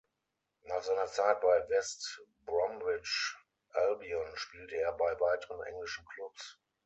Nach seiner Zeit bei West Bromwich Albion spielte er bei weiteren englischen Klubs.